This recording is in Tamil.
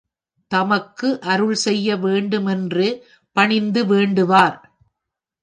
தமக்கு அருள் செய்ய வேண்டுமென்று பணிந்து வேண்டுவார்.